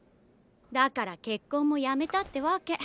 だから結婚もやめたってわけ。